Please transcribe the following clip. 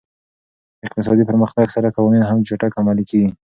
د اقتصادي پرمختګ سره قوانین هم چټک عملي کېږي.